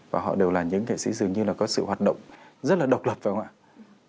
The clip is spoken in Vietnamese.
và họ đều là những nghệ sĩ dường như là có sự hoạt động rất là độc lập và không ạ